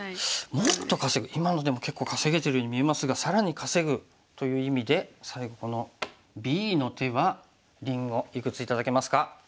今のでも結構稼げてるように見えますが更に稼ぐという意味で最後このＢの手はりんごいくつ頂けますか？